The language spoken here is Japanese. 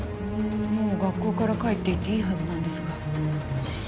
もう学校から帰っていていいはずなんですが。